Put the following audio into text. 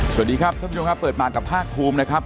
สวัสดีครับท่านผู้ชมครับเปิดปากกับภาคภูมินะครับ